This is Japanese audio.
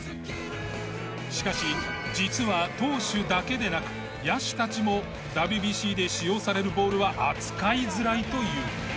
しかし実は投手だけでなく野手たちもＷＢＣで使用されるボールは扱いづらいという。